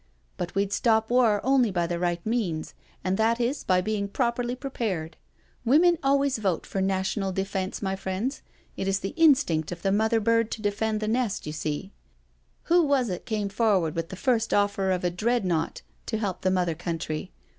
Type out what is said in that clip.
" But we'd stop war only by the right means, and that is by being properly prepared. Women always vote for National Defence, my friends — it is the instinct of the mother bird to defend the nest, you seel Who was it came forward with the first offer of a Dreadnought to help the Mother Country?